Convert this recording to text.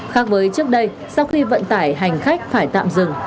khác với trước đây sau khi vận tải hành khách phải tạm dừng